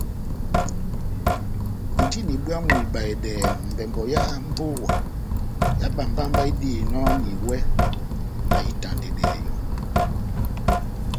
Indini bwámu ibahedɛ mbɛmbɔ yá mbówa yá bámbámbá idihinɔni iwɛ na itandedɛ yɔ́.